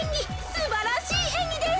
すばらしいえんぎです。